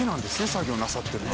作業なさってるの。